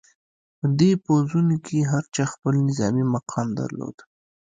په دې پوځونو کې هر چا خپل نظامي مقام درلود.